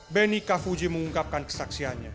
benny k fuji mengungkapkan kesaksiannya